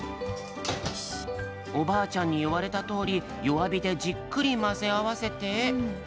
おばあちゃんにいわれたとおりよわびでじっくりまぜあわせて。